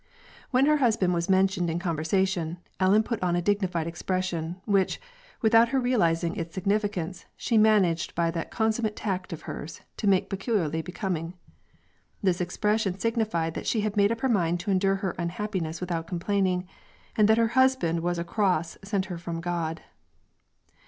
When her husband was mentioned in conversa tion, Ellen put on a dignified expression, which, without her realizing its significance, she managed by that consummate tact of hers, to make peculiarly becoming. This expression signified that she had made up her mind to endure her unhap piness without complaining, and that her husband was a cross sent her from God.